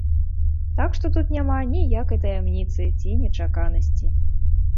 Так што тут няма ніякай таямніцы ці нечаканасці.